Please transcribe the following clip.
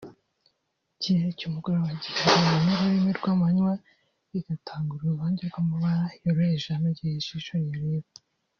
ikirere cy’umugoroba gihinduranya n’urumuri rw’amanywa bigatanga uruvange rw’amabara yoroheje anogeye ijisho riyareba